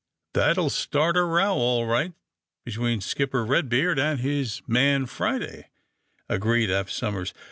* ^That'll start a row, all right, between Skip per Redbeard and his man, Friday," agreed Eph Somers.